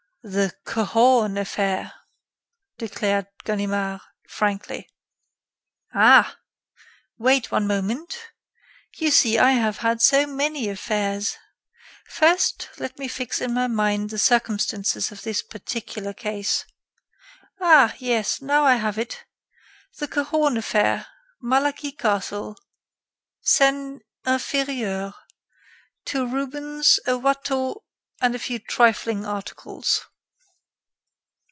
"The Cahorn affair," declared Ganimard, frankly. "Ah! Wait, one moment. You see I have had so many affairs! First, let me fix in my mind the circumstances of this particular case....Ah! yes, now I have it. The Cahorn affair, Malaquis castle, Seine Inférieure....Two Rubens, a Watteau, and a few trifling articles."